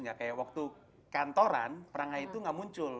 gak kayak waktu kantoran perangai itu gak muncul